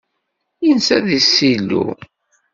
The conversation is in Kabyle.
Yensa deg ssilu.